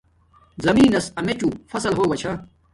زمین نس امیچوں فصیل ہوگا چھا